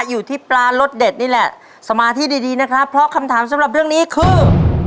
อยู่ที่ปลารสเด็ดนี่แหละสมาธิดีดีนะครับเพราะคำถามสำหรับเรื่องนี้คือ